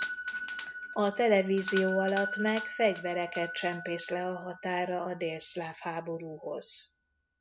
A televízió alatt meg fegyvereket csempész le a határra a délszláv háborúhoz.